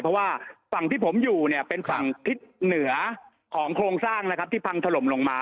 เพราะว่าฝั่งที่ผมอยู่เนี่ยเป็นฝั่งทิศเหนือของโครงสร้างนะครับที่พังถล่มลงมา